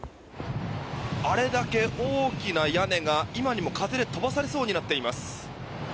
あれだけ大きな屋根が今にも風で飛ばされそうになっています。